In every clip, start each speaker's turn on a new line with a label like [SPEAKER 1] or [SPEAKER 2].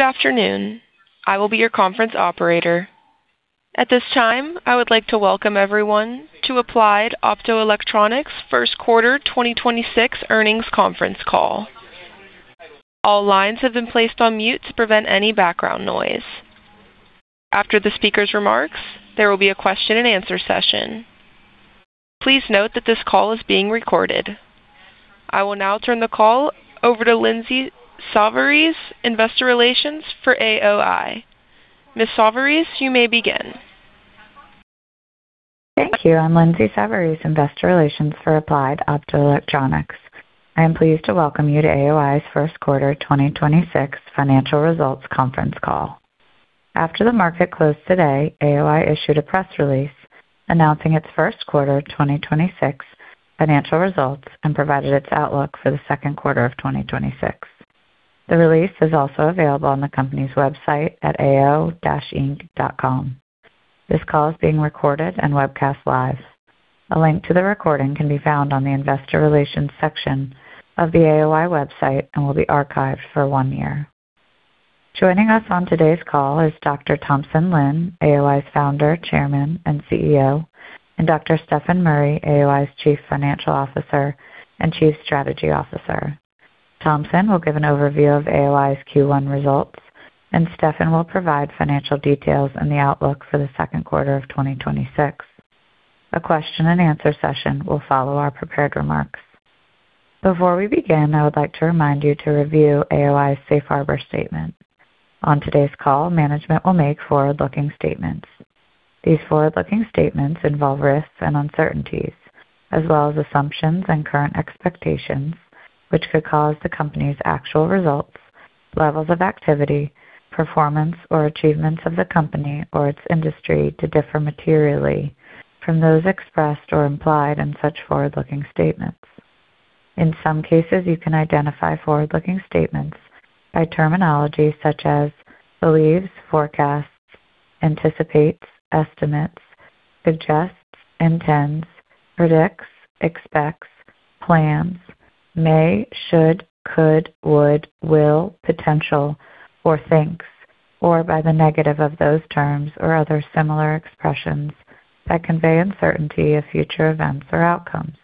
[SPEAKER 1] Good afternoon. I will be your conference operator. At this time, I would like to welcome everyone to Applied Optoelectronics first quarter 2026 earnings conference call. All lines have been placed on mute to prevent any background noise. After the speaker's remarks, there will be a question and answer session. Please note that this call is being recorded. I will now turn the call over to Lindsay Savarese, investor relations for AOI. Ms. Savarese, you may begin.
[SPEAKER 2] Thank you. I'm Lindsay Savarese, Investor Relations for Applied Optoelectronics. I am pleased to welcome you to AOI's first quarter 2026 financial results conference call. After the market closed today, AOI issued a press release announcing its first quarter 2026 financial results and provided its outlook for the second quarter of 2026. The release is also available on the company's website at ao-inc.com. This call is being recorded and webcast live. A link to the recording can be found on the investor relations section of the AOI website and will be archived for one year. Joining us on today's call is Dr. Thompson Lin, AOI's Founder, Chairman, and CEO, and Dr. Stefan Murry, AOI's Chief Financial Officer and Chief Strategy Officer. Thompson will give an overview of AOI's Q1 results. Stefan will provide financial details and the outlook for the second quarter of 2026. A question and answer session will follow our prepared remarks. Before we begin, I would like to remind you to review AOI's safe harbor statement. On today's call, management will make forward-looking statements. These forward-looking statements involve risks and uncertainties, as well as assumptions and current expectations, which could cause the company's actual results, levels of activity, performance, or achievements of the company or its industry to differ materially from those expressed or implied in such forward-looking statements. In some cases, you can identify forward-looking statements by terminology such as believes, forecasts, anticipates, estimates, suggests, intends, predicts, expects, plans, may, should, could, would, will, potential, or thinks, or by the negative of those terms or other similar expressions that convey uncertainty of future events or outcomes.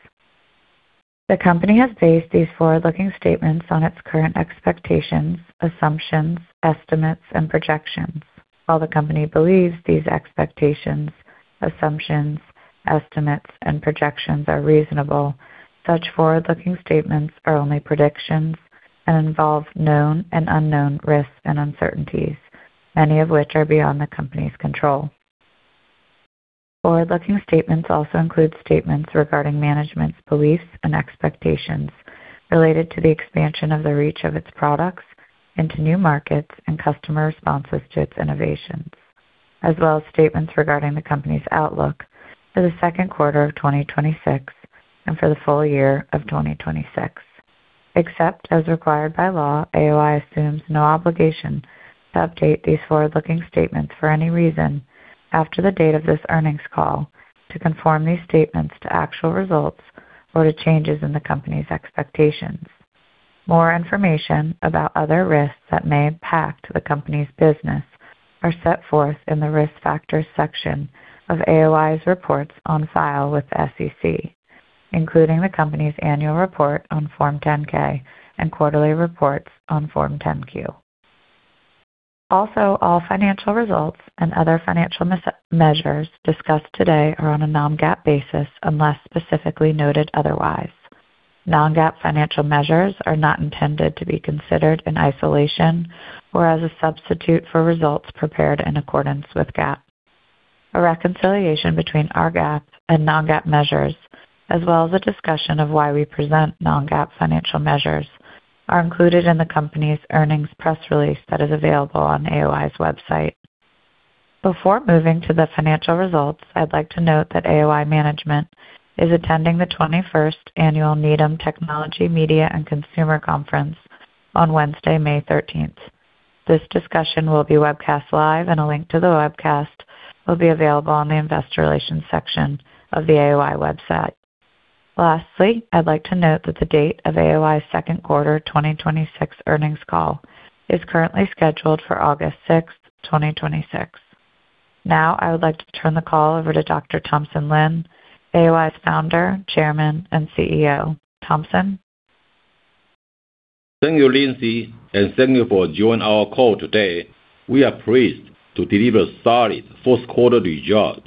[SPEAKER 2] The company has based these forward-looking statements on its current expectations, assumptions, estimates, and projections. While the company believes these expectations, assumptions, estimates, and projections are reasonable, such forward-looking statements are only predictions and involve known and unknown risks and uncertainties, many of which are beyond the company's control. Forward-looking statements also include statements regarding management's beliefs and expectations related to the expansion of the reach of its products into new markets and customer responses to its innovations, as well as statements regarding the company's outlook for the second quarter of 2026 and for the full-year of 2026. Except as required by law, AOI assumes no obligation to update these forward-looking statements for any reason after the date of this earnings call to conform these statements to actual results or to changes in the company's expectations. More information about other risks that may impact the company's business are set forth in the Risk Factors section of AOI's reports on file with the SEC, including the company's annual report on Form 10-K and quarterly reports on Form 10-Q. All financial results and other financial measures discussed today are on a non-GAAP basis, unless specifically noted otherwise. Non-GAAP financial measures are not intended to be considered in isolation or as a substitute for results prepared in accordance with GAAP. A reconciliation between our GAAP and non-GAAP measures, as well as a discussion of why we present non-GAAP financial measures, are included in the company's earnings press release that is available on AOI's website. Before moving to the financial results, I'd like to note that AOI management is attending the 21st Annual Needham Technology, Media, and Consumer Conference on Wednesday, May 13th. This discussion will be webcast live and a link to the webcast will be available on the investor relations section of the AOI website. Lastly, I'd like to note that the date of AOI's second quarter 2026 earnings call is currently scheduled for August 6th, 2026. Now, I would like to turn the call over to Dr. Thompson Lin, AOI's founder, Chairman, and CEO. Thompson?
[SPEAKER 3] Thank you, Lindsay, and thank you for joining our call today. We are pleased to deliver solid first quarter results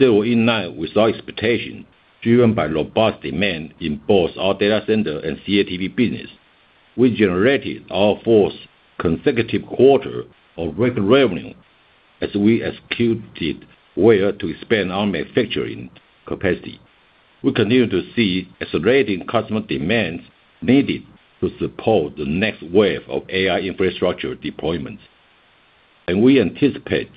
[SPEAKER 3] that were in line with our expectations, driven by robust demand in both our data center and CATV business. We generated our fourth consecutive quarter of record revenue as we executed well to expand our manufacturing capacity. We continue to see accelerating customer demands needed to support the next wave of AI infrastructure deployments, and we anticipate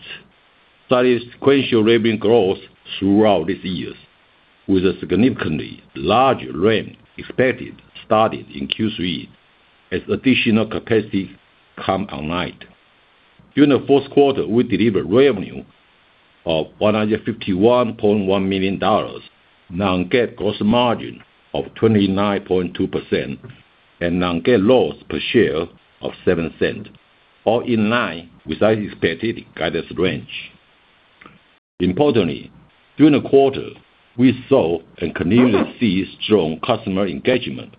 [SPEAKER 3] steady sequential revenue growth throughout this year, with a significantly larger ramp expected starting in Q3 as additional capacity come online. During the first quarter, we delivered revenue of $151.1 million, non-GAAP gross margin of 29.2%, and non-GAAP loss per share of $0.07, all in line with our expected guidance range. Importantly, during the quarter, we saw and continue to see strong customer engagement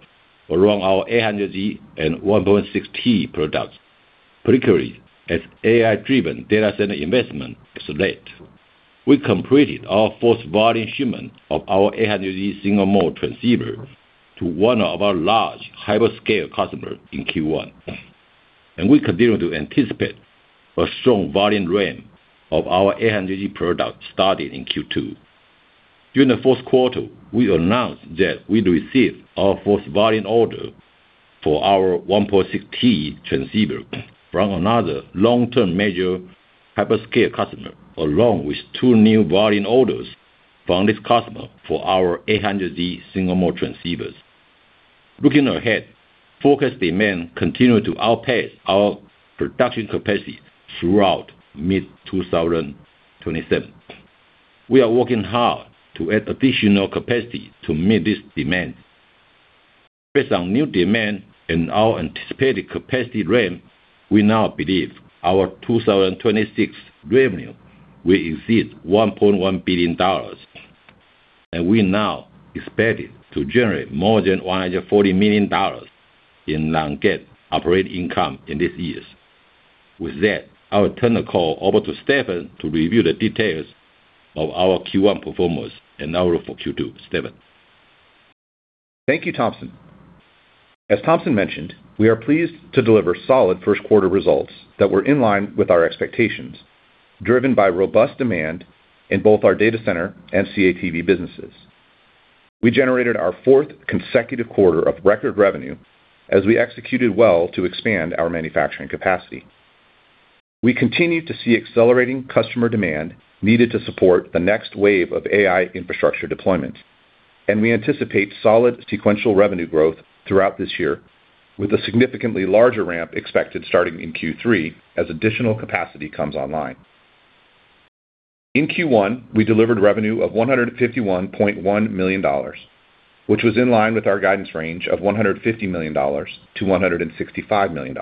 [SPEAKER 3] around our 800G and 1.6T products, particularly as AI-driven data center investment accelerate. We completed our first volume shipment of our 800G single mode transceiver to one of our large hyperscale customer in Q1. We continue to anticipate a strong volume ramp of our 800G product starting in Q2. During the first quarter, we announced that we'd receive our first volume order for our 1.6T transceiver from another long-term major hyperscale customer, along with two new volume orders from this customer for our 800G single mode transceivers. Looking ahead, forecast demand continue to outpace our production capacity throughout mid 2027. We are working hard to add additional capacity to meet this demand. Based on new demand and our anticipated capacity ramp, we now believe our 2026 revenue will exceed $1.1 billion, and we now expect it to generate more than $140 million in non-GAAP operating income in this year. With that, I will turn the call over to Stefan to review the details of our Q1 performance and outlook for Q2. Stefan.
[SPEAKER 4] Thank you, Thompson. As Thompson mentioned, we are pleased to deliver solid first quarter results that were in line with our expectations, driven by robust demand in both our data center and CATV businesses. We generated our fourth consecutive quarter of record revenue as we executed well to expand our manufacturing capacity. We continue to see accelerating customer demand needed to support the next wave of AI infrastructure deployment, and we anticipate solid sequential revenue growth throughout this year with a significantly larger ramp expected starting in Q3 as additional capacity comes online. In Q1, we delivered revenue of $151.1 million, which was in line with our guidance range of $150 million-$165 million.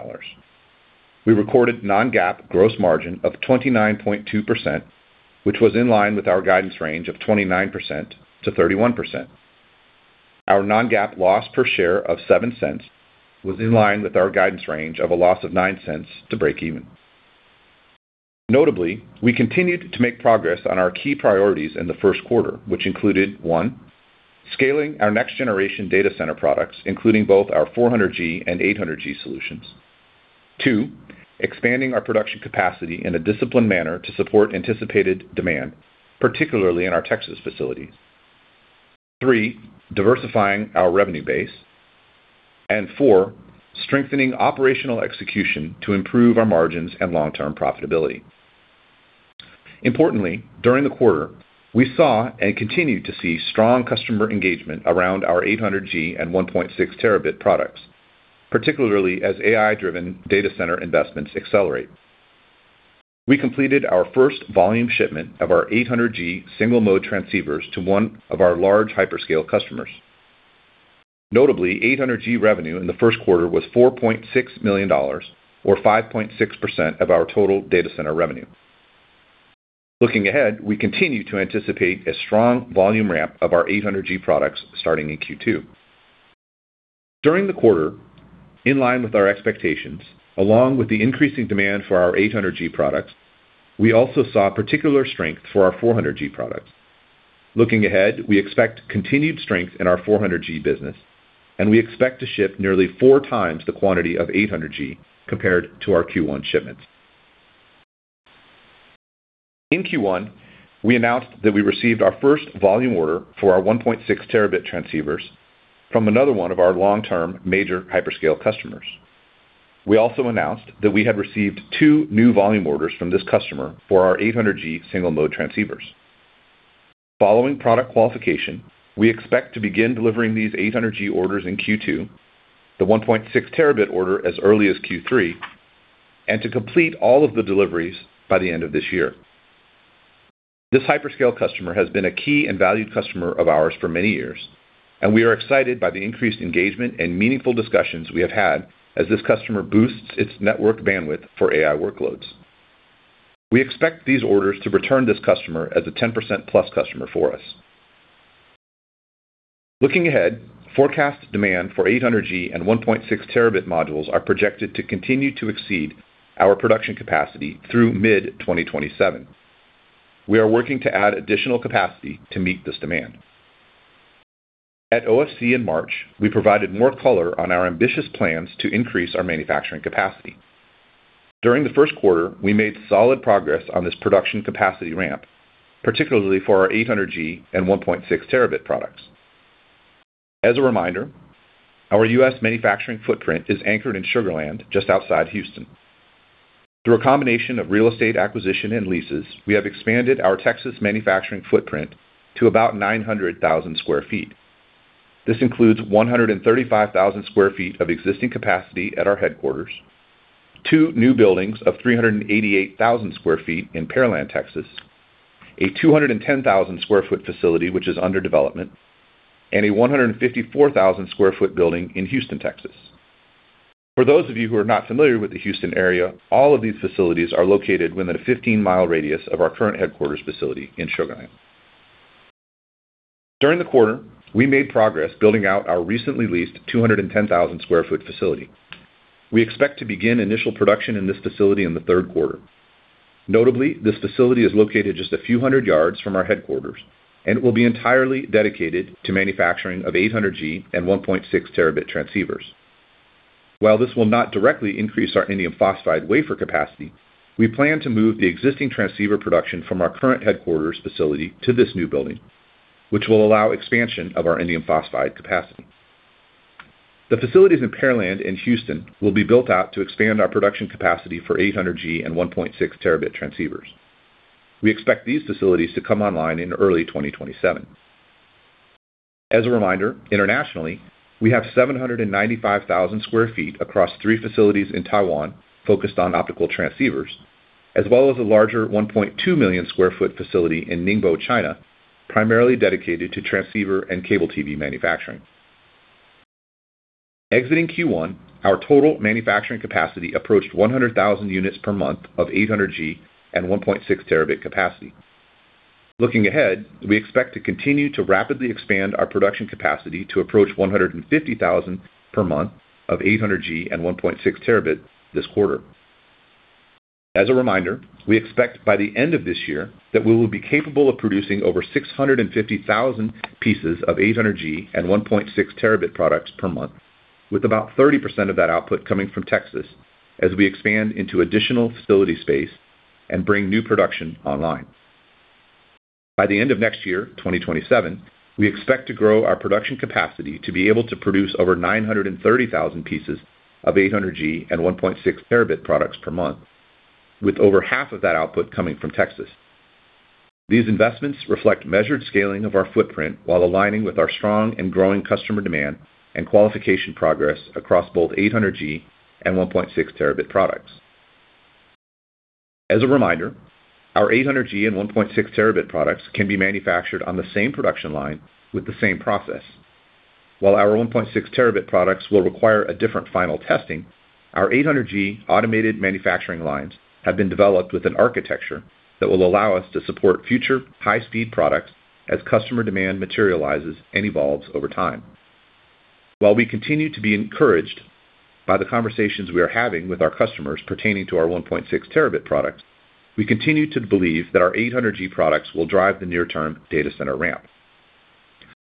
[SPEAKER 4] We recorded non-GAAP gross margin of 29.2%, which was in line with our guidance range of 29%-31%. Our non-GAAP loss per share of $0.07 was in line with our guidance range of a loss of $0.09 to breakeven. Notably, we continued to make progress on our key priorities in the first quarter, which included, one, scaling our next generation data center products, including both our 400G and 800G solutions. Two, expanding our production capacity in a disciplined manner to support anticipated demand, particularly in our Texas facility. Three, diversifying our revenue base. And four, strengthening operational execution to improve our margins and long-term profitability. Importantly, during the quarter, we saw and continue to see strong customer engagement around our 800G and 1.6 Tb products, particularly as AI-driven data center investments accelerate. We completed our first volume shipment of our 800G single mode transceivers to one of our large hyperscale customers. Notably, 800G revenue in the first quarter was $4.6 million or 5.6% of our total data center revenue. Looking ahead, we continue to anticipate a strong volume ramp of our 800G products starting in Q2. During the quarter, in line with our expectations, along with the increasing demand for our 800G products, we also saw particular strength for our 400G products. Looking ahead, we expect continued strength in our 400G business, and we expect to ship nearly 4x the quantity of 800G compared to our Q1 shipments. In Q1, we announced that we received our first volume order for our 1.6T transceivers from another one of our long-term major hyperscale customers. We also announced that we had received two new volume orders from this customer for our 800G single mode transceivers. Following product qualification, we expect to begin delivering these 800G orders in Q2, the 1.6T order as early as Q3, and to complete all of the deliveries by the end of this year. This hyperscale customer has been a key and valued customer of ours for many years, and we are excited by the increased engagement and meaningful discussions we have had as this customer boosts its network bandwidth for AI workloads. We expect these orders to return this customer as a 10%+ customer for us. Looking ahead, forecast demand for 800G and 1.6T modules are projected to continue to exceed our production capacity through mid-2027. We are working to add additional capacity to meet this demand. At OFC in March, we provided more color on our ambitious plans to increase our manufacturing capacity. During the first quarter, we made solid progress on this production capacity ramp, particularly for our 800G and 1.6T products. As a reminder, our U.S. manufacturing footprint is anchored in Sugar Land, just outside Houston. Through a combination of real estate acquisition and leases, we have expanded our Texas manufacturing footprint to about 900,000 sq ft. This includes 135,000 sq ft of existing capacity at our headquarters, two new buildings of 388,000 sq ft in Pearland, Texas, a 210,000 sq ft facility which is under development, and a 154,000 sq ft building in Houston, Texas. For those of you who are not familiar with the Houston area, all of these facilities are located within a 15 mile radius of our current headquarters facility in Sugar Land. During the quarter, we made progress building out our recently leased 210,000 sq ft facility. We expect to begin initial production in this facility in the third quarter. Notably, this facility is located just a few hundred yards from our headquarters. It will be entirely dedicated to manufacturing of 800G and 1.6T transceivers. While this will not directly increase our indium phosphide wafer capacity, we plan to move the existing transceiver production from our current headquarters facility to this new building, which will allow expansion of our indium phosphide capacity. The facilities in Pearland and Houston will be built out to expand our production capacity for 800G and 1.6T transceivers. We expect these facilities to come online in early 2027. As a reminder, internationally, we have 795,000 sq ft across three facilities in Taiwan focused on optical transceivers, as well as a larger 1.2 million sq ft facility in Ningbo, China, primarily dedicated to transceiver and CATV manufacturing. Exiting Q1, our total manufacturing capacity approached 100,000 units per month of 800G and 1.6T capacity. Looking ahead, we expect to continue to rapidly expand our production capacity to approach 150,000 per month of 800G and 1.6T this quarter. As a reminder, we expect by the end of this year that we will be capable of producing over 650,000 pieces of 800G and 1.6T products per month, with about 30% of that output coming from Texas as we expand into additional facility space and bring new production online. By the end of next year, 2027, we expect to grow our production capacity to be able to produce over 930,000 pieces of 800G and 1.6T products per month, with over half of that output coming from Texas. These investments reflect measured scaling of our footprint while aligning with our strong and growing customer demand and qualification progress across both 800G and 1.6T products. As a reminder, our 800G and 1.6T products can be manufactured on the same production line with the same process. While our 1.6T products will require a different final testing, our 800G automated manufacturing lines have been developed with an architecture that will allow us to support future high-speed products as customer demand materializes and evolves over time. While we continue to be encouraged by the conversations we are having with our customers pertaining to our 1.6 Tb products, we continue to believe that our 800G products will drive the near-term data center ramp.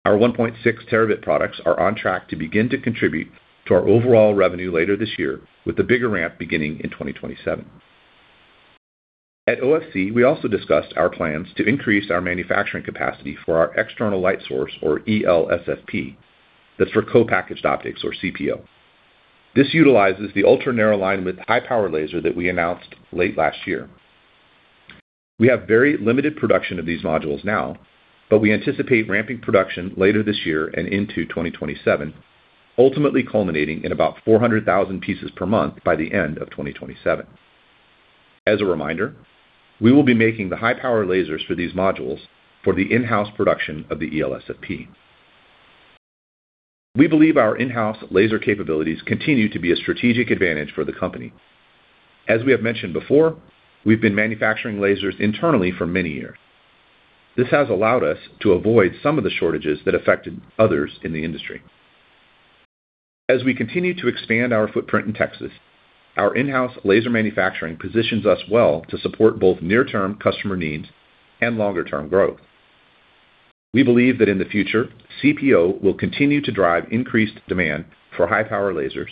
[SPEAKER 4] Our 1.6 Tb products are on track to begin to contribute to our overall revenue later this year, with the bigger ramp beginning in 2027. At OFC, we also discussed our plans to increase our manufacturing capacity for our external light source, or ELSFP. That's for co-packaged optics or CPO. This utilizes the ultra-narrow line with high-power laser that we announced late last year. We have very limited production of these modules now, but we anticipate ramping production later this year and into 2027, ultimately culminating in about 400,000 pieces per month by the end of 2027. As a reminder, we will be making the high-power lasers for these modules for the in-house production of the ELSFP. We believe our in-house laser capabilities continue to be a strategic advantage for the company. As we have mentioned before, we've been manufacturing lasers internally for many years. This has allowed us to avoid some of the shortages that affected others in the industry. As we continue to expand our footprint in Texas, our in-house laser manufacturing positions us well to support both near-term customer needs and longer-term growth. We believe that in the future, CPO will continue to drive increased demand for high-power lasers.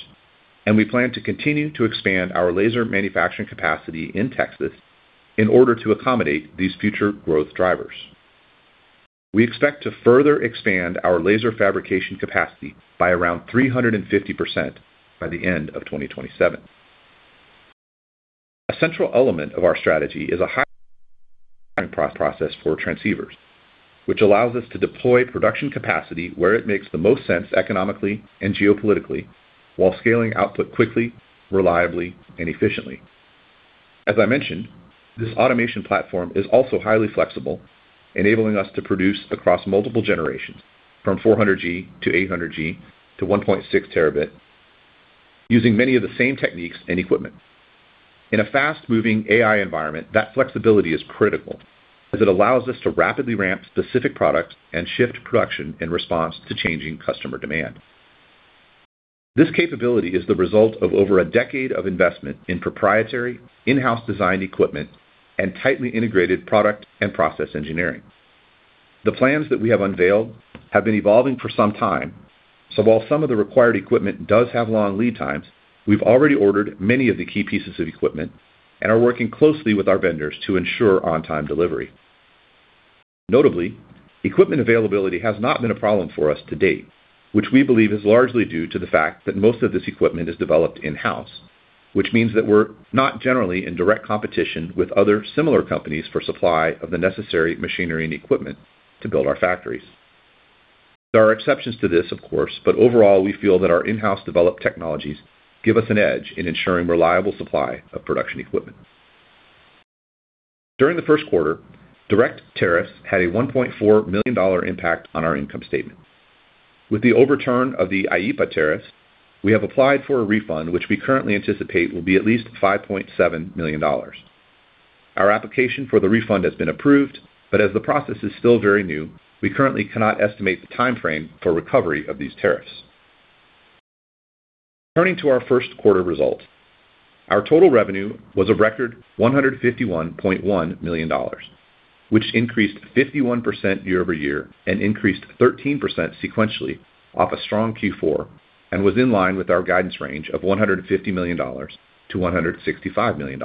[SPEAKER 4] We plan to continue to expand our laser manufacturing capacity in Texas in order to accommodate these future growth drivers. We expect to further expand our laser fabrication capacity by around 350% by the end of 2027. A central element of our strategy is a high process for transceivers, which allows us to deploy production capacity where it makes the most sense economically and geopolitically while scaling output quickly, reliably, and efficiently. As I mentioned, this automation platform is also highly flexible, enabling us to produce across multiple generations from 400G to 800G to 1.6 Tb using many of the same techniques and equipment. In a fast-moving AI environment, that flexibility is critical as it allows us to rapidly ramp specific products and shift production in response to changing customer demand. This capability is the result of over a decade of investment in proprietary in-house designed equipment and tightly integrated product and process engineering. The plans that we have unveiled have been evolving for some time, so while some of the required equipment does have long lead times, we've already ordered many of the key pieces of equipment and are working closely with our vendors to ensure on-time delivery. Notably, equipment availability has not been a problem for us to date, which we believe is largely due to the fact that most of this equipment is developed in-house. Which means that we're not generally in direct competition with other similar companies for supply of the necessary machinery and equipment to build our factories. There are exceptions to this, of course, but overall, we feel that our in-house developed technologies give us an edge in ensuring reliable supply of production equipment. During the first quarter, direct tariffs had a $1.4 million impact on our income statement. With the overturn of the IEEPA tariff, we have applied for a refund, which we currently anticipate will be at least $5.7 million. As the process is still very new, we currently cannot estimate the timeframe for recovery of these tariffs. Turning to our first quarter results. Our total revenue was a record $151.1 million, which increased 51% year-over-year and increased 13% sequentially off a strong Q4 and was in line with our guidance range of $150 million-$165 million.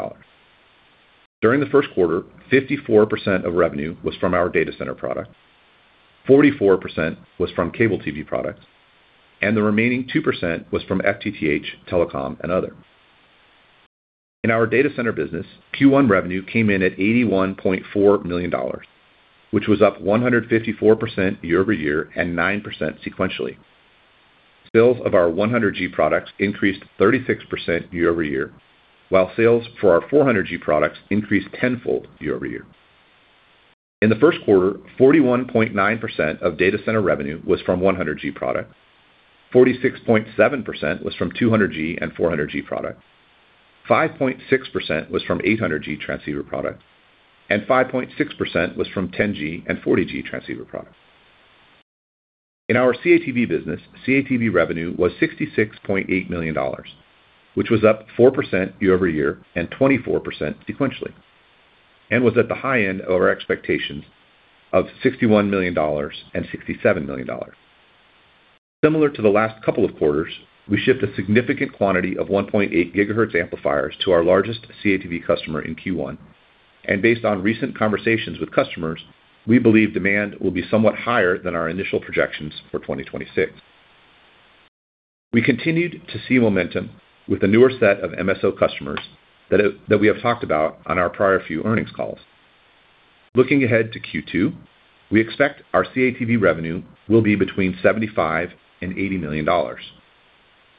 [SPEAKER 4] During the first quarter, 54% of revenue was from our data center product, 44% was from CATV products, and the remaining 2% was from FTTH, telecom, and other. In our data center business, Q1 revenue came in at $81.4 million, which was up 154% year-over-year and 9% sequentially. Sales of our 100G products increased 36% year-over-year, while sales for our 400G products increased 10-fold year-over-year. In the first quarter, 41.9% of data center revenue was from 100G products, 46.7% was from 200G and 400G products, 5.6% was from 800G transceiver products, and 5.6% was from 10G and 40G transceiver products. In our CATV business, CATV revenue was $66.8 million, which was up 4% year-over-year and 24% sequentially, and was at the high end of our expectations of $61 million and $67 million. Similar to the last couple of quarters, we shipped a significant quantity of 1.8 GHz amplifiers to our largest CATV customer in Q1, and based on recent conversations with customers, we believe demand will be somewhat higher than our initial projections for 2026. We continued to see momentum with the newer set of MSO customers that we have talked about on our prior few earnings calls. Looking ahead to Q2, we expect our CATV revenue will be between $75 million and $80 million.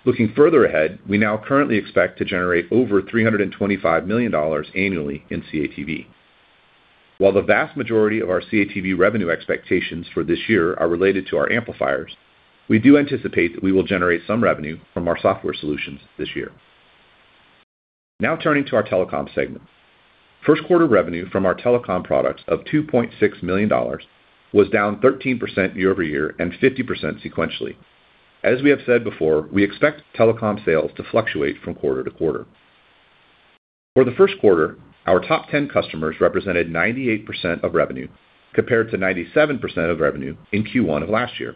[SPEAKER 4] Looking further ahead, we now currently expect to generate over $325 million annually in CATV. While the vast majority of our CATV revenue expectations for this year are related to our amplifiers, we do anticipate that we will generate some revenue from our software solutions this year. Turning to our telecom segment. First quarter revenue from our telecom products of $2.6 million was down 13% year-over-year and 50% sequentially. As we have said before, we expect telecom sales to fluctuate from quarter-to-quarter. For the first quarter, our top 10 customers represented 98% of revenue, compared to 97% of revenue in Q1 of last year.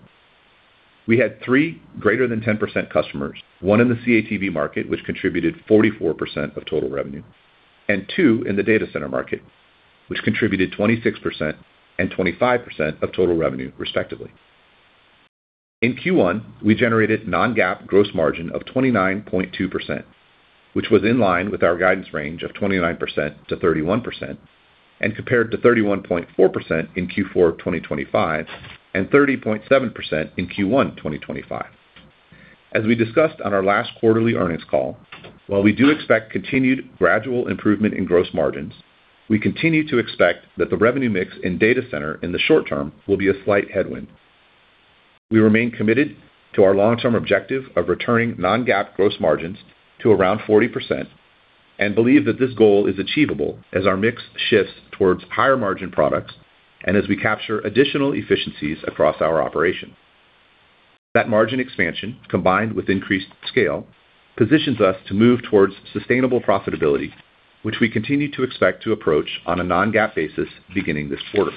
[SPEAKER 4] We had three greater than 10% customers, one in the CATV market, which contributed 44% of total revenue, and two in the data center market, which contributed 26% and 25% of total revenue, respectively. In Q1, we generated non-GAAP gross margin of 29.2%, which was in line with our guidance range of 29%-31% and compared to 31.4% in Q4 of 2025 and 30.7% in Q1 2025. As we discussed on our last quarterly earnings call, while we do expect continued gradual improvement in gross margins, we continue to expect that the revenue mix in data center in the short term will be a slight headwind. We remain committed to our long-term objective of returning non-GAAP gross margins to around 40% and believe that this goal is achievable as our mix shifts towards higher margin products and as we capture additional efficiencies across our operations. That margin expansion, combined with increased scale, positions us to move towards sustainable profitability, which we continue to expect to approach on a non-GAAP basis beginning this quarter.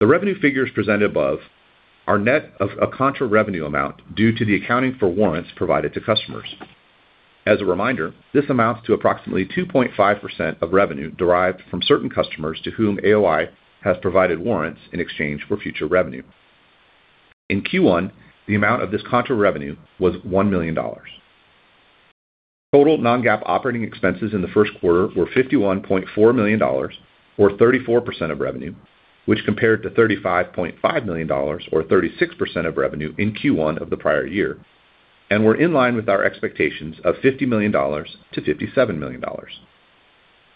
[SPEAKER 4] The revenue figures presented above are net of a contra revenue amount due to the accounting for warrants provided to customers. As a reminder, this amounts to approximately 2.5% of revenue derived from certain customers to whom AOI has provided warrants in exchange for future revenue. In Q1, the amount of this contra revenue was $1 million. Total non-GAAP operating expenses in the first quarter were $51.4 million or 34% of revenue, which compared to $35.5 million or 36% of revenue in Q1 of the prior year and were in line with our expectations of $50 million-$57 million.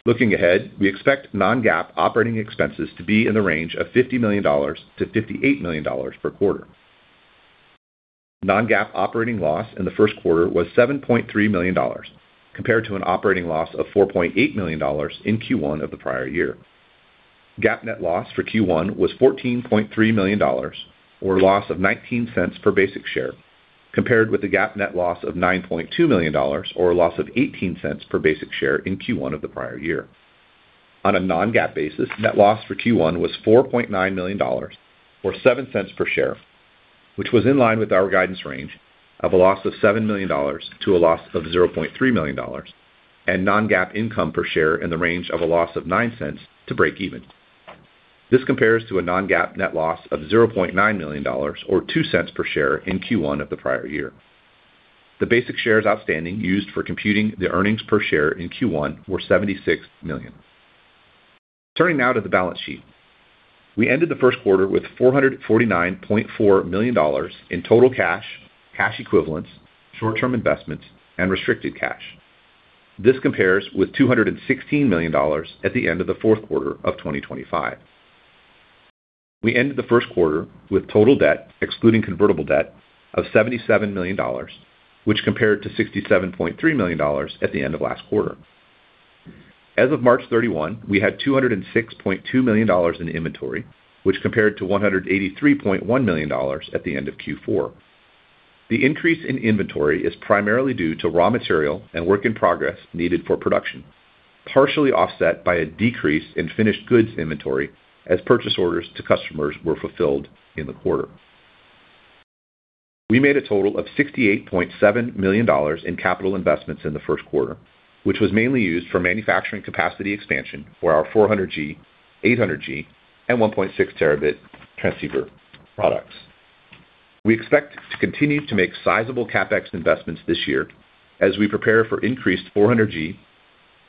[SPEAKER 4] Looking ahead, we expect non-GAAP operating expenses to be in the range of $50 million-$58 million per quarter. Non-GAAP operating loss in the first quarter was $7.3 million compared to an operating loss of $4.8 million in Q1 of the prior year. GAAP net loss for Q1 was $14.3 million or a loss of $0.19 per basic share, compared with the GAAP net loss of $9.2 million or a loss of $0.18 per basic share in Q1 of the prior year. On a non-GAAP basis, net loss for Q1 was $4.9 million or $0.07 per share, which was in line with our guidance range of a loss of $7 million to a loss of $0.3 million and non-GAAP income per share in the range of a loss of $0.09 to breakeven. This compares to a non-GAAP net loss of $0.9 million or $0.02 per share in Q1 of the prior year. The basic shares outstanding used for computing the earnings per share in Q1 were $76 million. Turning now to the balance sheet. We ended the first quarter with $449.4 million in total cash equivalents, short-term investments, and restricted cash. This compares with $216 million at the end of the fourth quarter of 2025. We ended the first quarter with total debt, excluding convertible debt, of $77 million, which compared to $67.3 million at the end of last quarter. As of March 31, we had $206.2 million in inventory, which compared to $183.1 million at the end of Q4. The increase in inventory is primarily due to raw material and work in progress needed for production, partially offset by a decrease in finished goods inventory as purchase orders to customers were fulfilled in the quarter. We made a total of $68.7 million in capital investments in the first quarter, which was mainly used for manufacturing capacity expansion for our 400G, 800G, and 1.6 Tb transceiver products. We expect to continue to make sizable CapEx investments this year as we prepare for increased 400G,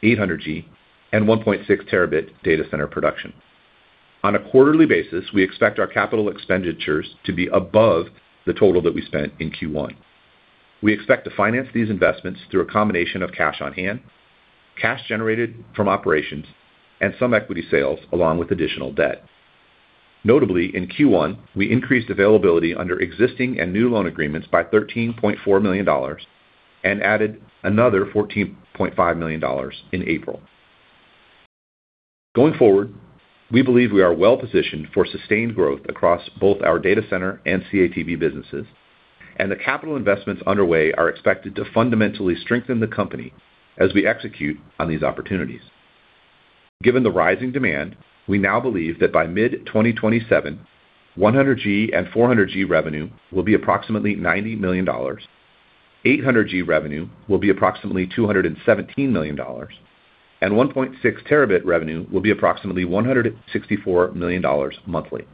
[SPEAKER 4] 800G, and 1.6 Tb data center production. On a quarterly basis, we expect our capital expenditures to be above the total that we spent in Q1. We expect to finance these investments through a combination of cash on hand, cash generated from operations, and some equity sales along with additional debt. Notably, in Q1, we increased availability under existing and new loan agreements by $13.4 million and added another $14.5 million in April. Going forward, we believe we are well positioned for sustained growth across both our data center and CATV businesses, and the capital investments underway are expected to fundamentally strengthen the company as we execute on these opportunities. Given the rising demand, we now believe that by mid 2027, 100G and 400G revenue will be approximately $90 million, 800G revenue will be approximately $217 million, and 1.6 Tb revenue will be approximately $164 million monthly.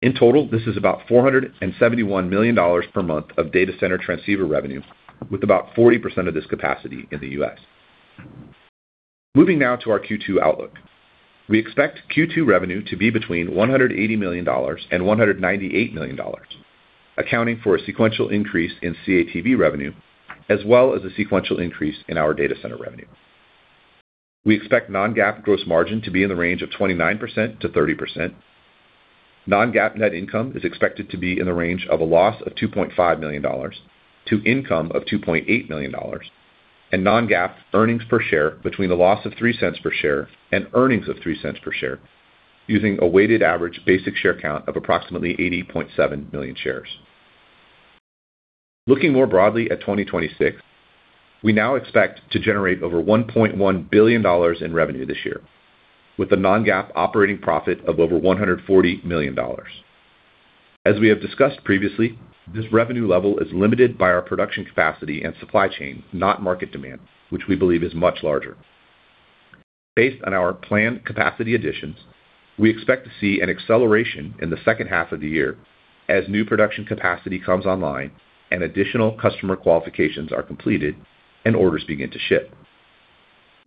[SPEAKER 4] In total, this is about $471 million per month of data center transceiver revenue, with about 40% of this capacity in the U.S. Moving now to our Q2 outlook. We expect Q2 revenue to be between $180 million and $198 million, accounting for a sequential increase in CATV revenue as well as a sequential increase in our data center revenue. We expect non-GAAP gross margin to be in the range of 29%-30%. Non-GAAP net income is expected to be in the range of a loss of $2.5 million to income of $2.8 million. Non-GAAP earnings per share between a loss of $0.03 per share and earnings of $0.03 per share, using a weighted average basic share count of approximately 80.7 million shares. Looking more broadly at 2026, we now expect to generate over $1.1 billion in revenue this year, with a non-GAAP operating profit of over $140 million. As we have discussed previously, this revenue level is limited by our production capacity and supply chain, not market demand, which we believe is much larger. Based on our planned capacity additions, we expect to see an acceleration in the second half of the year as new production capacity comes online and additional customer qualifications are completed and orders begin to ship.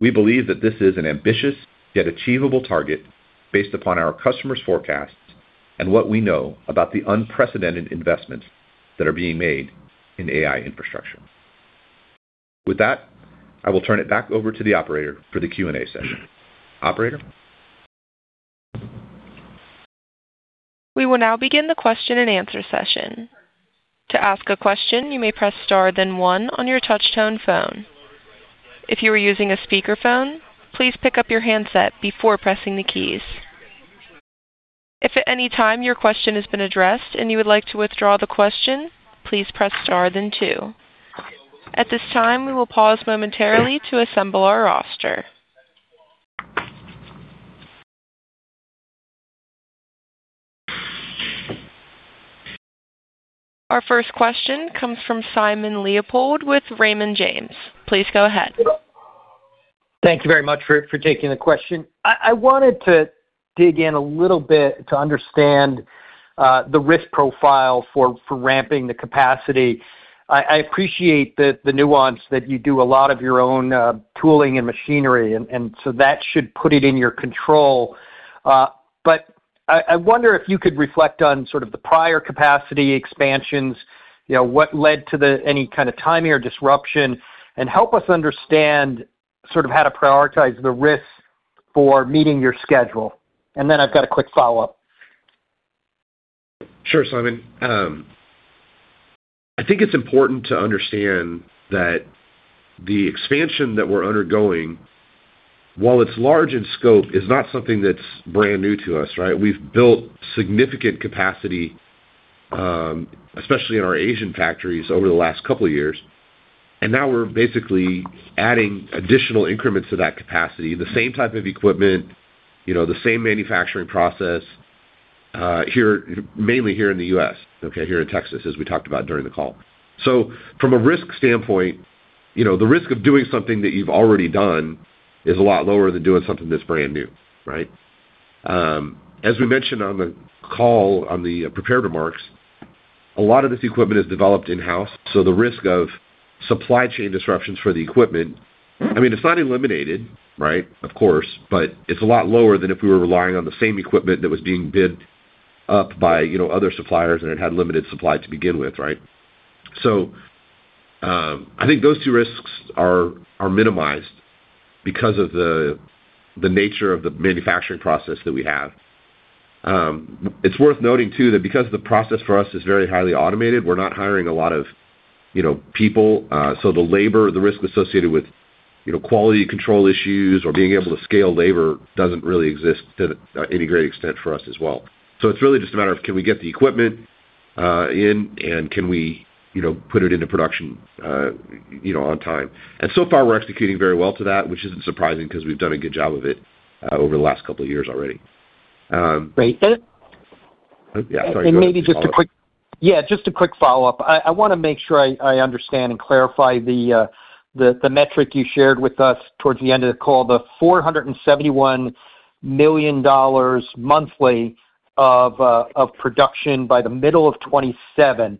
[SPEAKER 4] We believe that this is an ambitious yet achievable target based upon our customers' forecasts and what we know about the unprecedented investments that are being made in AI infrastructure. With that, I will turn it back over to the operator for the Q&A session. Operator?
[SPEAKER 1] We will now begin the question and answer session. To ask a question, you may press star then one on your touchtone phone. If you are using a speakerphone, please pick up your handset before pressing the keys. If at any time your question has been addressed and you would like to withdraw the question, please press star then two. At this time, we will pause momentarily to assemble our roster. Our first question comes from Simon Leopold with Raymond James. Please go ahead.
[SPEAKER 5] Thank you very much for taking the question. I wanted to dig in a little bit to understand the risk profile for ramping the capacity. I appreciate the nuance that you do a lot of your own tooling and machinery, and so that should put it in your control. But I wonder if you could reflect on sort of the prior capacity expansions, you know, what led to any kind of timing or disruption, and help us understand sort of how to prioritize the risks for meeting your schedule. I've got a quick follow-up.
[SPEAKER 4] Sure, Simon. I think it's important to understand that the expansion that we're undergoing, while it's large in scope, is not something that's brand new to us, right? We've built significant capacity, especially in our Asian factories over the last couple of years, and now we're basically adding additional increments to that capacity. The same type of equipment, you know, the same manufacturing process. Here, mainly here in the U.S., okay, here in Texas, as we talked about during the call. From a risk standpoint, you know, the risk of doing something that you've already done is a lot lower than doing something that's brand new, right? As we mentioned on the call on the prepared remarks, a lot of this equipment is developed in-house, so the risk of supply chain disruptions for the equipment, I mean, it's not eliminated, right? Of course. It's a lot lower than if we were relying on the same equipment that was being bid up by, you know, other suppliers, and it had limited supply to begin with, right? I think those two risks are minimized because of the nature of the manufacturing process that we have. It's worth noting too that because the process for us is very highly automated, we're not hiring a lot of, you know, people. The labor, the risk associated with, you know, quality control issues or being able to scale labor doesn't really exist to any great extent for us as well. It's really just a matter of can we get the equipment in, and can we, you know, put it into production, you know, on time. So far, we're executing very well to that, which isn't surprising 'cause we've done a good job of it over the last couple of years already.
[SPEAKER 5] Great.
[SPEAKER 4] Yeah. Sorry, go ahead. Follow up.
[SPEAKER 5] Maybe just a quick follow-up. I wanna make sure I understand and clarify the metric you shared with us towards the end of the call, the $471 million monthly of production by the middle of 2027.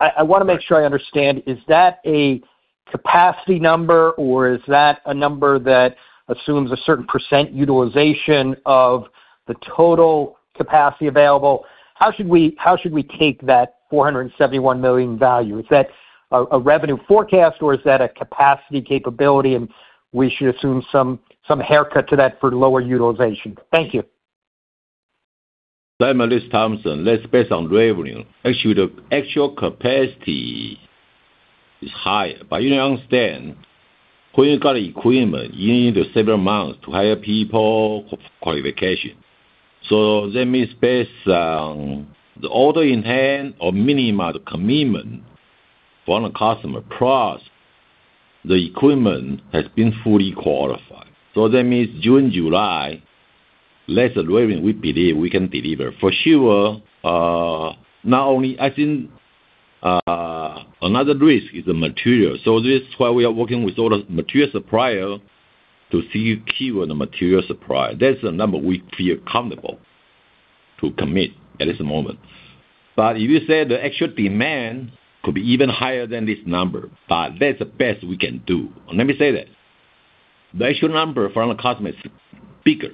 [SPEAKER 5] I wanna make sure I understand, is that a capacity number, or is that a number that assumes a certain percent utilization of the total capacity available? How should we take that $471 million value? Is that a revenue forecast, or is that a capacity capability, and we should assume some haircut to that for lower utilization? Thank you.
[SPEAKER 3] Simon, this is Thompson. That's based on revenue. Actually, the actual capacity is higher. You need to understand, when you got equipment, you need several months to hire people of qualification. That means based on the order in hand or minimal commitment from the customer, plus the equipment has been fully qualified. That means June, July, less the revenue we believe we can deliver. For sure, not only I think, another risk is the material. This is why we are working with all the material supplier to see key on the material supply. That's the number we feel comfortable to commit at this moment. If you say the actual demand could be even higher than this number, but that's the best we can do. Let me say that. The actual number from the customer is bigger.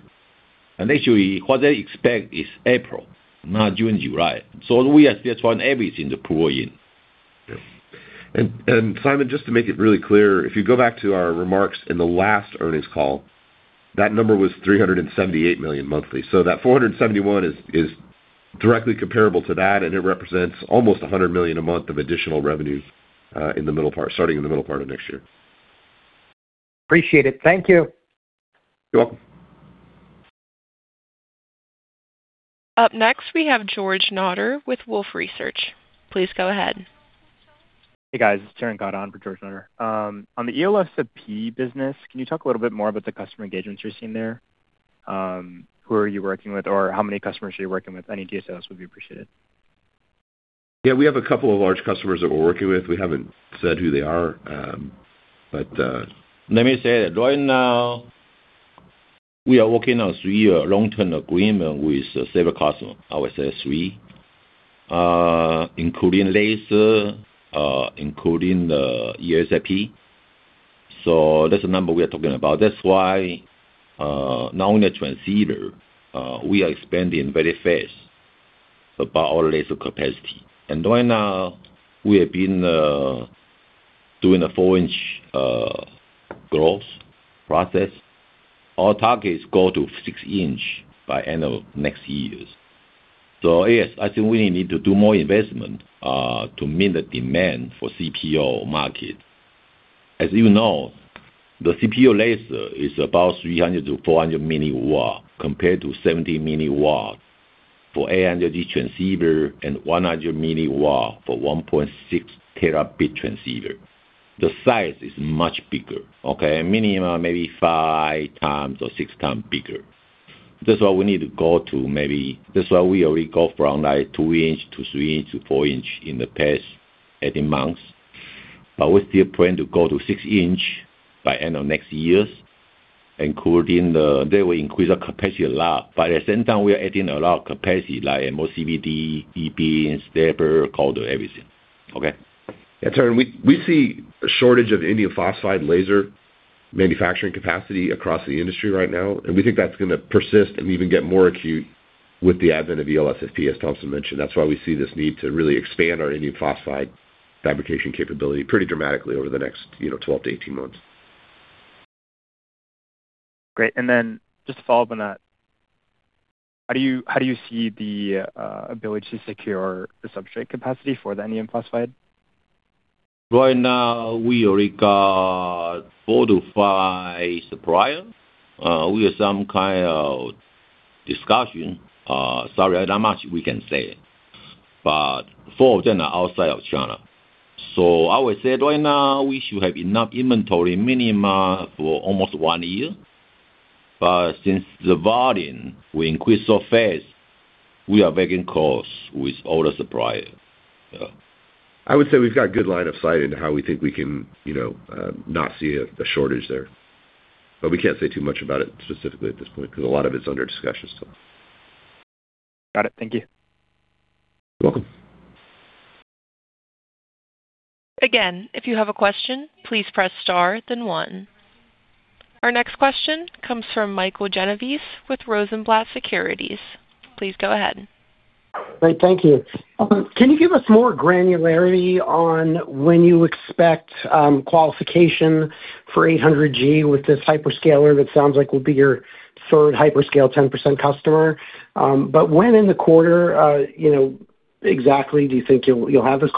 [SPEAKER 3] Actually, what they expect is April, not June, July. We are still trying everything to pull in.
[SPEAKER 4] Yeah. Simon, just to make it really clear, if you go back to our remarks in the last earnings call, that number was $378 million monthly. That $471 is directly comparable to that, and it represents almost $100 million a month of additional revenues starting in the middle part of next year.
[SPEAKER 5] Appreciate it. Thank you.
[SPEAKER 4] You're welcome.
[SPEAKER 1] Up next, we have George Notter with Wolfe Research. Please go ahead.
[SPEAKER 6] Hey, guys. It's Taran Katta for George Notter. On the ELSFP business, can you talk a little bit more about the customer engagements you're seeing there? Who are you working with or how many customers are you working with? Any details would be appreciated.
[SPEAKER 4] Yeah. We have a couple of large customers that we're working with. We haven't said who they are.
[SPEAKER 3] Let me say that right now we are working on three year long-term agreement with several customers. I would say three. including laser, including the ELSFP. That's the number we are talking about. That's why, not only transceiver, we are expanding very fast about our laser capacity. Right now, we have been doing the 4 inch growth process. Our target is go to 6 inch by end of next year. Yes, I think we need to do more investment to meet the demand for CPO market. As you know, the CPO laser is about 300 mW-400 mW compared to 70 mW for 800G transceiver and 100 mW for 1.6 Tb transceiver. The size is much bigger, okay? Minimum maybe 5x or 6x bigger. That's why we already go from like 2 inch-3 inch to 4 inch in the past 18 months. We still plan to go to 6 inch by end of next year. That will increase our capacity a lot. At the same time, we are adding a lot of capacity, like MOCVD, epi, stepper, coater, everything. Okay.
[SPEAKER 4] Yeah. Taran, we see a shortage of indium phosphide laser manufacturing capacity across the industry right now, and we think that's gonna persist and even get more acute with the advent of ELSFP, as Thompson mentioned. That's why we see this need to really expand our indium phosphide fabrication capability pretty dramatically over the next, you know, 12-18 months.
[SPEAKER 6] Great. Then just to follow up on that, how do you see the ability to secure the substrate capacity for the indium phosphide?
[SPEAKER 3] We already got four to five suppliers. We have some kind of discussion. Sorry, not much we can say. Four of them are outside of China. I would say right now we should have enough inventory minimum for almost one year. Since the volume will increase so fast, we are making calls with all the suppliers.
[SPEAKER 4] I would say we've got good line of sight into how we think we can, you know, not see a shortage there. We can't say too much about it specifically at this point because a lot of it's under discussion still.
[SPEAKER 6] Got it. Thank you.
[SPEAKER 4] You're welcome.
[SPEAKER 1] Again, if you have a question, please press star then one. Our next question comes from Michael Genovese with Rosenblatt Securities. Please go ahead.
[SPEAKER 7] Great. Thank you. Can you give us more granularity on when you expect qualification for 800G with this hyperscaler that sounds like will be your third hyperscale 10% customer? When in the quarter, exactly do you think you'll have this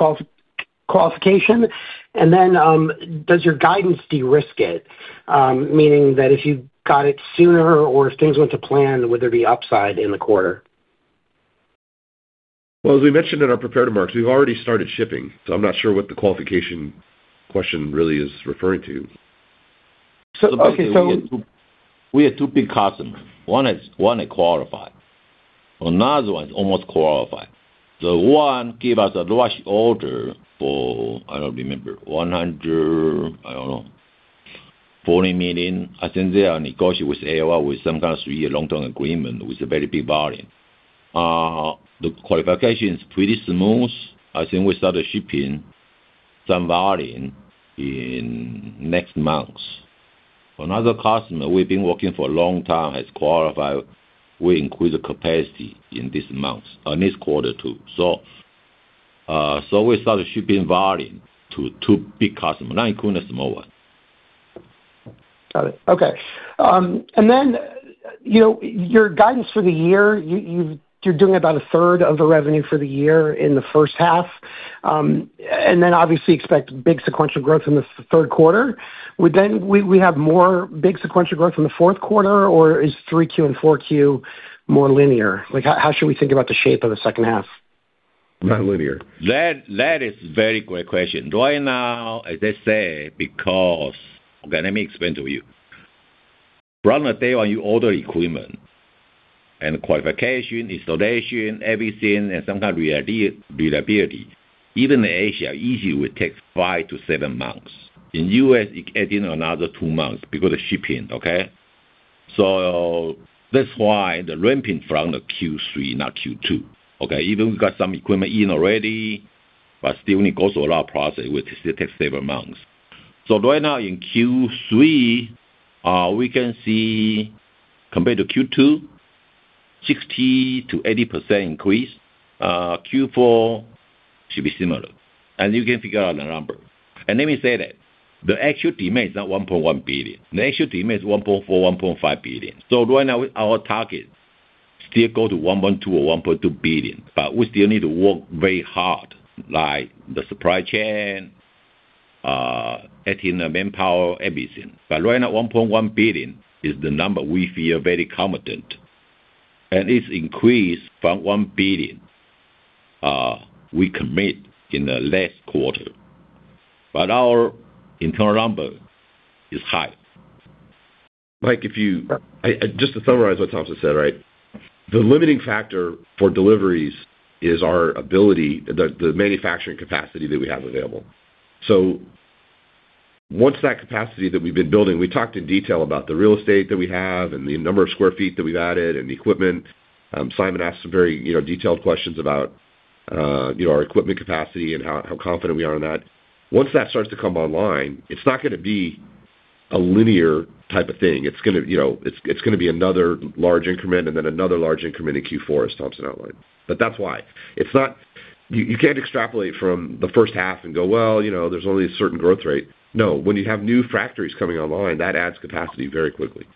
[SPEAKER 7] qualification? Does your guidance de-risk it? Meaning that if you got it sooner or if things went to plan, would there be upside in the quarter?
[SPEAKER 4] Well, as we mentioned in our prepared remarks, we've already started shipping, so I'm not sure what the qualification question really is referring to.
[SPEAKER 3] Basically, we have two big customers. One is qualified. Another one is almost qualified. The one give us a large order for, I don't remember, $140 million. I think they are negotiating with AOI with some kind of three year long-term agreement with a very big volume. The qualification is pretty smooth. I think we started shipping some volume in next months. Another customer we've been working for a long time has qualified. We increased the capacity in this month, this quarter too. We started shipping volume to two big customers, not including the small one.
[SPEAKER 7] Got it. Okay. You know, your guidance for the year, you're doing about a third of the revenue for the year in the first half. Obviously expect big sequential growth in the third quarter. Would we have more big sequential growth in the fourth quarter, or is 3Q and 4Q more linear? Like, how should we think about the shape of the second half?
[SPEAKER 3] Not linear. That is very great question. As I said, let me explain to you. From the day when you order equipment and qualification, installation, everything, and some kind of reliability, even in Asia, usually it takes five to seven months. In U.S., it adds in another two months because of shipping. That's why the ramp in from the Q3, not Q2. Even we got some equipment in already, but still need to go through a lot of process, which still takes several months. Right now in Q3, we can see compared to Q2, 60%-80% increase. Q4 should be similar. You can figure out the number. Let me say that the actual demand is not $1.1 billion. The actual demand is $1.4 billion-$1.5 billion. Right now, our target still go to $1.2 billion or $1.2 billion, but we still need to work very hard, like the supply chain, adding the manpower, everything. Right now, $1.1 billion is the number we feel very confident. It's increased from $1 billion we commit in the last quarter. Our internal number is higher.
[SPEAKER 4] Mike, Just to summarize what Thompson said, right? The limiting factor for deliveries is our ability, the manufacturing capacity that we have available. Once that capacity that we've been building, we talked in detail about the real estate that we have and the number of square feet that we've added and the equipment. Simon asked some very, you know, detailed questions about, you know, our equipment capacity and how confident we are in that. Once that starts to come online, it's not gonna be a linear type of thing. It's gonna, you know, it's gonna be another large increment and then another large increment in Q4 as Thompson outlined. That's why. It's not You can't extrapolate from the first half and go, "Well, you know, there's only a certain growth rate." No. When you have new factories coming online, that adds capacity very quickly.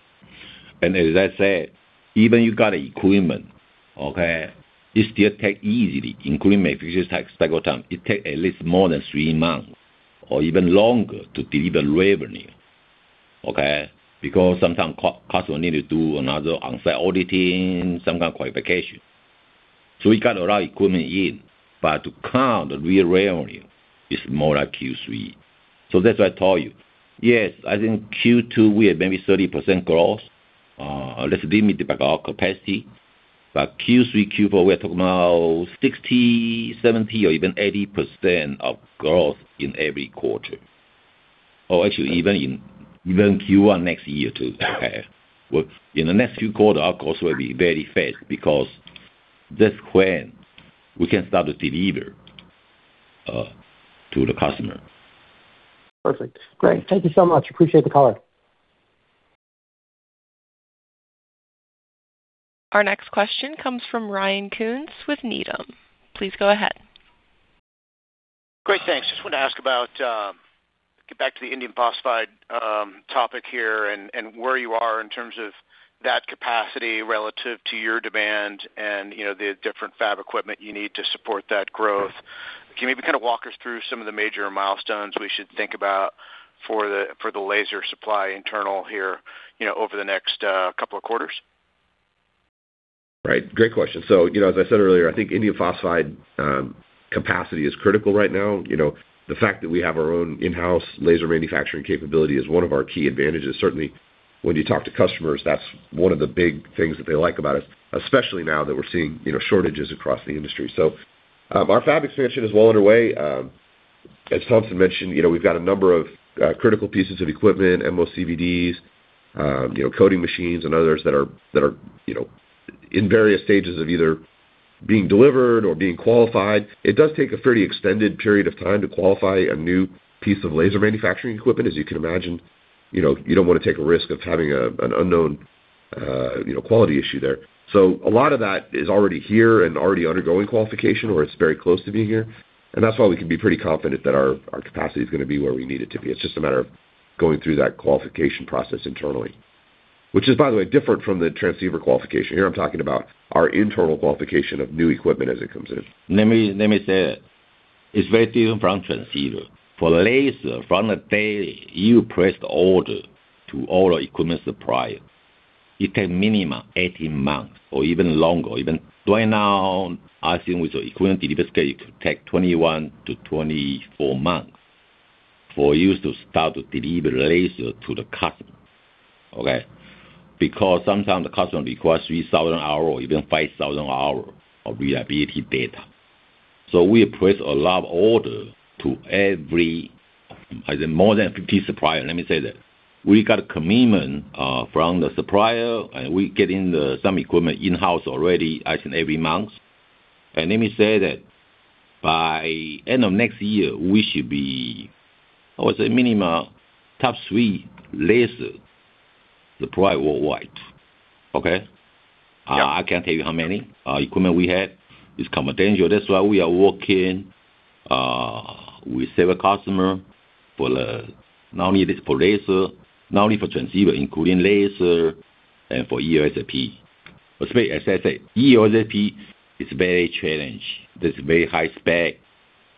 [SPEAKER 3] As I said, even you got equipment, it still take easily, equipment usually takes cycle time. It take at least more than three months or even longer to deliver revenue. Because sometimes customer need to do another on-site auditing, some kind of qualification. We got a lot of equipment in, but to count the real revenue is more like Q3. That's why I told you. Yes, I think Q2, we have maybe 30% growth, limited by our capacity. Q3, Q4, we are talking about 60%, 70%, or even 80% of growth in every quarter. Actually, even in, even Q1 next year too. Well, in the next few quarter, our growth will be very fast because that's when we can start to deliver to the customer.
[SPEAKER 7] Perfect. Great. Thank you so much. Appreciate the color.
[SPEAKER 1] Our next question comes from Ryan Koontz with Needham. Please go ahead.
[SPEAKER 8] Great. Thanks. Just wanted to ask about, get back to the indium phosphide topic here and where you are in terms of that capacity relative to your demand and, you know, the different fab equipment you need to support that growth. Can you maybe kind of walk us through some of the major milestones we should think about for the laser supply internal here, you know, over the next couple of quarters?
[SPEAKER 4] Right. Great question. As I said earlier, I think indium phosphide, capacity is critical right now. The fact that we have our own in-house laser manufacturing capability is one of our key advantages. Certainly, when you talk to customers, that's one of the big things that they like about us, especially now that we're seeing, shortages across the industry. Our fab expansion is well underway. As Thompson mentioned, we've got a number of critical pieces of equipment, MOCVDs, coater machines and others that are in various stages of either being delivered or being qualified. It does take a fairly extended period of time to qualify a new piece of laser manufacturing equipment. As you can imagine, you know, you don't want to take a risk of having an unknown, you know, quality issue there. A lot of that is already here and already undergoing qualification, or it's very close to being here. That's why we can be pretty confident that our capacity is going to be where we need it to be. It's just a matter of going through that qualification process internally. Which is, by the way, different from the transceiver qualification. Here I'm talking about our internal qualification of new equipment as it comes in.
[SPEAKER 3] Let me say that it's very different from transceiver. For laser, from the day you press the order to all the equipment suppliers, it takes minimum 18 months or even longer. Even right now, I think with the equipment delivery schedule, it could take 21 to 24 months for you to start to deliver laser to the customer. Okay. Because sometimes the customer requires 3,000 hours or even 5,000 hours of reliability data. We place a lot of order to every, I think more than 50 suppliers, let me say that. We got a commitment from the supplier, we get some equipment in-house already as in every month. Let me say that by end of next year, we should be, I would say, minimum top three laser supplier worldwide. Okay.
[SPEAKER 8] Yeah.
[SPEAKER 3] I can't tell you how many equipment we have. It's confidential. That's why we are working with several customer for the not only this for laser, not only for transceiver, including laser and for ELSFP. Especially as I said, ELSFP is very challenged. There's very high spec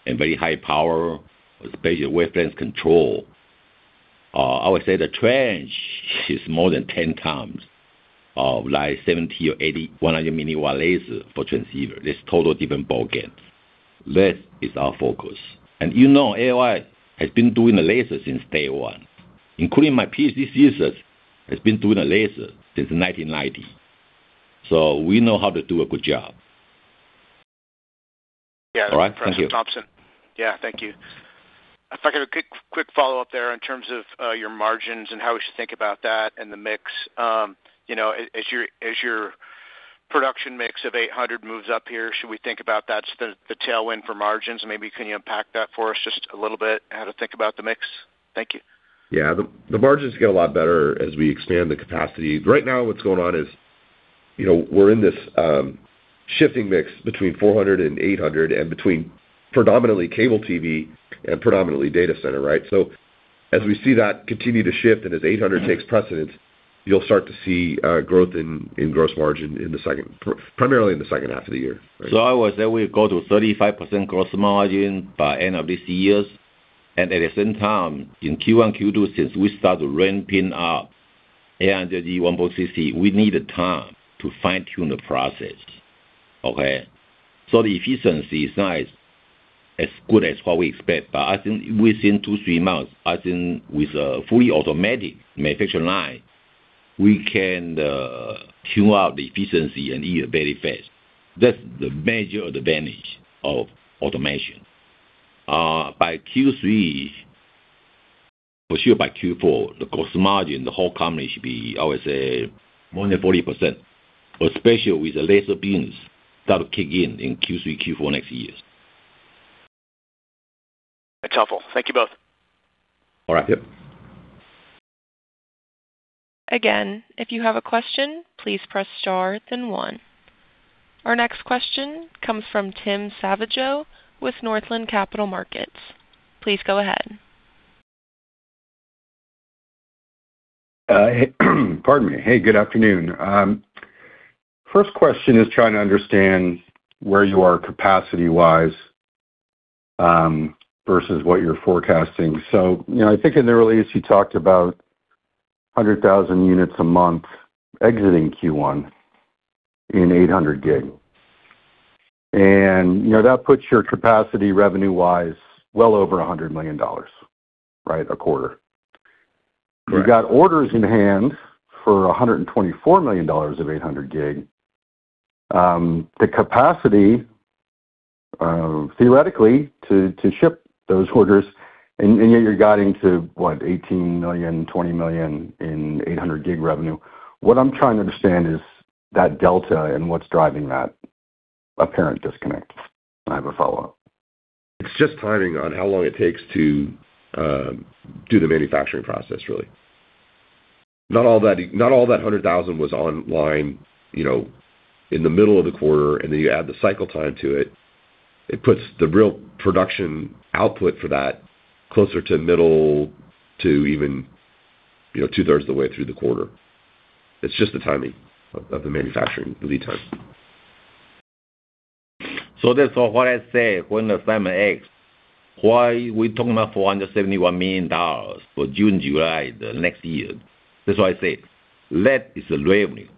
[SPEAKER 3] and very high power, especially wavelength control. I would say the challenge is more than 10x of like 70 mW or 80 mW, 100 mW laser for transceiver. That's total different ballgame. That is our focus. You know AOI has been doing the laser since day one, including my PhD thesis has been doing the laser since 1990. We know how to do a good job. All right. Thank you.
[SPEAKER 8] Thompson. Thank you. If I could have a quick follow-up there in terms of your margins and how we should think about that and the mix. You know, as your production mix of 800G moves up here, should we think about that's the tailwind for margins? Maybe can you unpack that for us just a little bit, how to think about the mix? Thank you.
[SPEAKER 4] Yeah. The margins get a lot better as we expand the capacity. Right now what's going on is, you know, we're in this shifting mix between 400G and 800G and between predominantly CATV and predominantly data center, right? As we see that continue to shift and as 800G takes precedence, you'll start to see growth in gross margin primarily in the second half of the year, right.
[SPEAKER 3] I would say we go to 35% gross margin by end of this year. At the same time, in Q1, Q2, since we start to ramp in our 800G 1.6T, we need the time to fine-tune the process. Okay? The efficiency is not as good as what we expect. I think within two, three months, I think with a fully automatic manufacturing line, we can tune up the efficiency and yield very fast. That's the major advantage of automation. By Q3, for sure by Q4, the gross margin, the whole company should be, I would say, more than 40%, especially with the laser beams that will kick in Q3, Q4 next year.
[SPEAKER 8] That's helpful. Thank you both.
[SPEAKER 4] All right. Yep.
[SPEAKER 1] Again, if you have a question, please press star then one. Our next question comes from Tim Savageaux with Northland Capital Markets. Please go ahead.
[SPEAKER 9] Pardon me. Hey, good afternoon. First question is trying to understand where you are capacity wise versus what you're forecasting. I think in the release you talked about 100,000 units a month exiting Q1 in 800G. That puts your capacity revenue wise well over $100 million, right? A quarter.
[SPEAKER 4] Right.
[SPEAKER 9] You've got orders in hand for $124 million of 800G. The capacity theoretically to ship those orders yet you're guiding to what? $18 million-$20 million in 800G revenue. What I'm trying to understand is that delta and what's driving that apparent disconnect. I have a follow-up.
[SPEAKER 4] It's just timing on how long it takes to do the manufacturing process really. Not all that 100,000 was online, you know, in the middle of the quarter, and then you add the cycle time to it. It puts the real production output for that closer to middle to even, you know, 2/3 of the way through the quarter. It's just the timing of the manufacturing lead time.
[SPEAKER 3] That's all what I said when Simon asked, why we talking about $471 million for June, July the next year. That's why I said that is the revenue,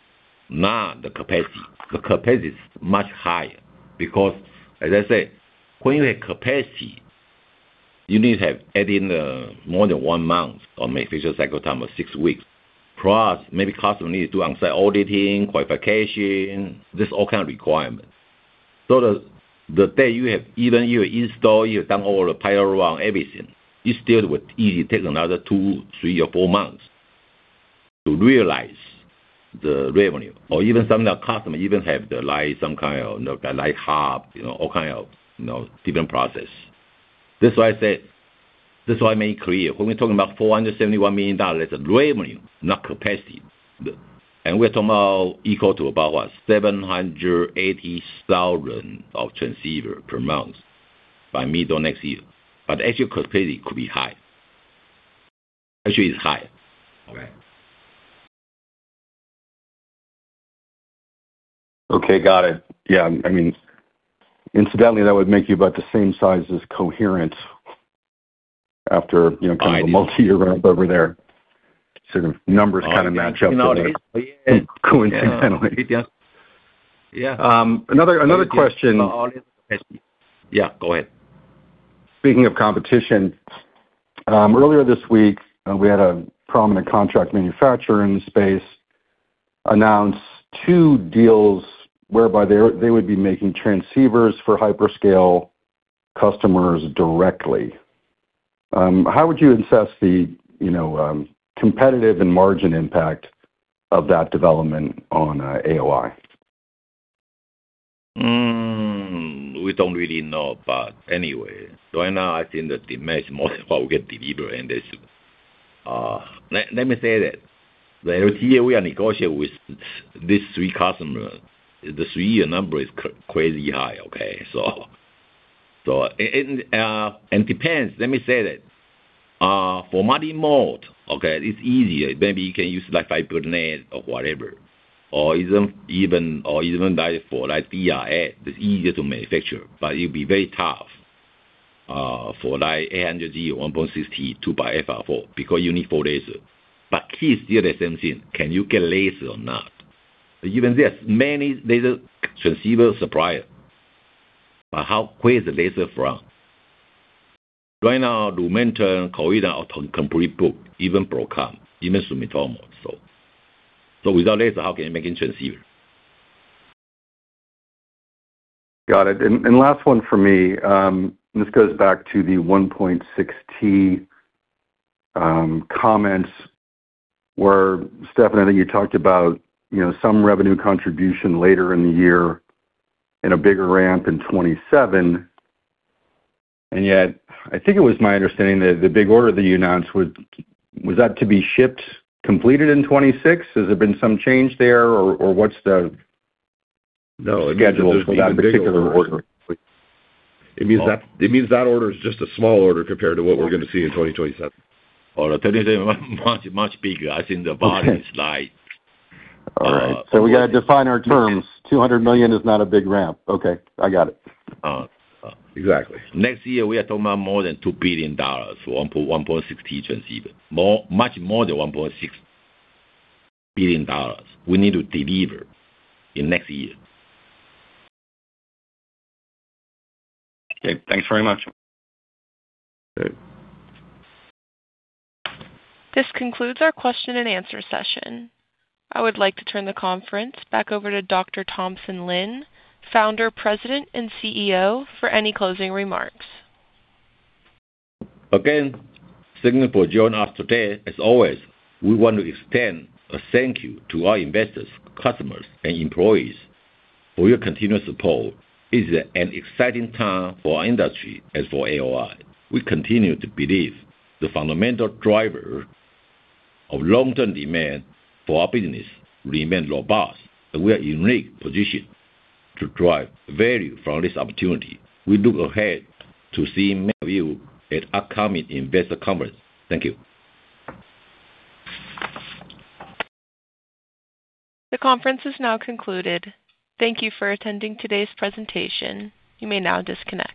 [SPEAKER 3] not the capacity. The capacity is much higher because as I said, when you have capacity, you need to have add in more than one month of manufacture cycle time of six weeks. Plus maybe customer needs to do on-site auditing, qualification, this all kind of requirements. The day you have even you install, you've done all the pile around everything, it still would easily take another two, three or four months to realize the revenue. Or even some of the customer even have the like some kind of like hub, you know, all kind of, you know, different process. That's why I made it clear when we talking about $471 million, that's the revenue, not capacity. We're talking about equal to about what? 780,000 of transceiver per month by mid of next year. Actual capacity could be high. Actually, it's high. Okay.
[SPEAKER 9] Okay, got it. Yeah, I mean, incidentally, that would make you about the same size as Coherent after, you know, kind of a multi-year ramp over there. The numbers kind of match up there coincidentally.
[SPEAKER 3] Yeah.
[SPEAKER 9] Another question.
[SPEAKER 3] Yeah, go ahead.
[SPEAKER 9] Speaking of competition, earlier this week, we had a prominent contract manufacturer in the space announce two deals whereby they would be making transceivers for hyperscale customers directly. How would you assess the, you know, competitive and margin impact of that development on AOI?
[SPEAKER 3] We don't really know. Anyway, right now I think that the demand is more than what we can deliver. This, let me say that last year we are negotiating with these three customers. The three year number is crazy high, okay. Depends, let me say that for multi-mode, okay, it's easier. Maybe you can use like Fabrinet or whatever, or even like for like DR4, it's easier to manufacture, but it'll be very tough for like 800G, 1.6T, 2xFR4 because you need four laser. Key is still the same thing. Can you get laser or not? Even there are many laser transceiver supplier, where is the laser from? Right now, Lumentum, Coherent are complete booked. Even Broadcom, even Sumitomo. Without laser, how can you make a transceiver?
[SPEAKER 9] Got it. Last one for me, this goes back to the 1.6T comments where Stefan Murry, I think you talked about, you know, some revenue contribution later in the year in a bigger ramp in 2027. Yet, I think it was my understanding that the big order that you announced was that to be shipped completed in 2026? Has there been some change there or what's the schedule for that particular order?
[SPEAKER 4] No. It means that big order. It means that order is just a small order compared to what we're going to see in 2027.
[SPEAKER 3] Oh, 2027 much, much bigger. I think the body is like.
[SPEAKER 9] All right. We got to define our terms. $200 million is not a big ramp. Okay, I got it.
[SPEAKER 3] Exactly. Next year we are talking about more than $2 billion for 1.6T transceiver. Much more than $1.6 billion we need to deliver in next year.
[SPEAKER 9] Okay, thanks very much.
[SPEAKER 4] Great.
[SPEAKER 1] This concludes our question and answer session. I would like to turn the conference back over to Dr. Thompson Lin, Founder, President, and CEO, for any closing remarks.
[SPEAKER 3] Again, thank you for joining us today. As always, we want to extend a thank you to our investors, customers, and employees for your continuous support. It's an exciting time for our industry as for AOI. We continue to believe the fundamental driver of long-term demand for our business remain robust, and we are in unique position to drive value from this opportunity. We look ahead to seeing many of you at upcoming investor conference. Thank you.
[SPEAKER 1] The conference is now concluded. Thank you for attending today's presentation. You may now disconnect.